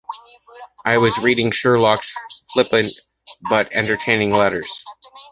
I was reading Sherlock's flippant, but entertaining letters.